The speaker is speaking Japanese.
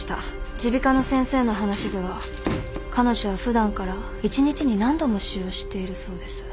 耳鼻科の先生の話では彼女は普段から一日に何度も使用しているそうです。